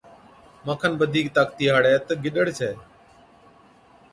مان کن بڌِيڪ طاقتِي هاڙَي تہ گِڏڙ ڇَي۔